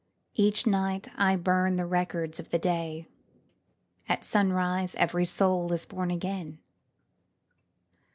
Each night I burn the records of the day, — At sunrise every soul is born again